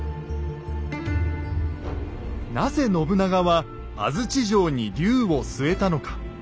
なぜ信長は安土城に龍を据えたのか。